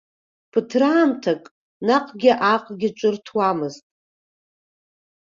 Ԥыҭраамҭак наҟгьы-ааҟгьы ҿырҭуамызт.